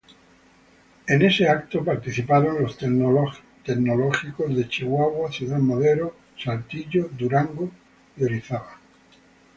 En ese evento participaron los tecnológicos de: Chihuahua, Ciudad Madero, Saltillo, Durango y Orizaba.